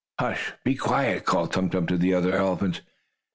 "Hush! Be quiet!" called Tum Tum to the other elephants.